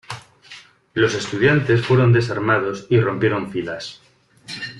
Los estudiantes fueron desarmados y rompieron filas.